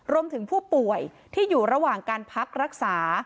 รวมถึงผู้ป่วยที่อยู่ระหว่างการพักรักษา